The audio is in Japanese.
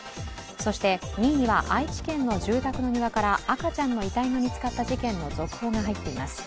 そして２位には愛知県の住宅の庭から赤ちゃんの遺体が見つかった事件の続報が入っています。